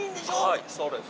はいそうです。